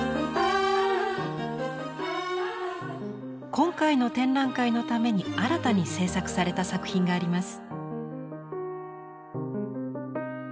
今回の展覧会のために新たに制作された作品があります。